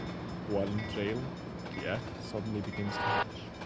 While in jail, the egg suddenly begins to hatch.